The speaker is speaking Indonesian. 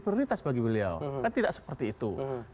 prioritas bagi beliau kan tidak seperti itu